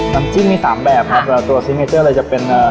น้ำจิ้มมี๓แบบครับตัวสินเมตรเลยจะเป็น